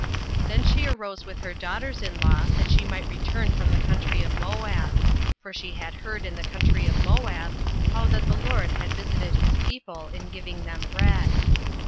08:001:006 Then she arose with her daughters in law, that she might return from the country of Moab: for she had heard in the country of Moab how that the LORD had visited his people in giving them bread.